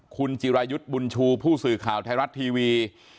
คุณจิรายุทธ์บุญชูผู้สื่อข่าวไทยรัฐทีวี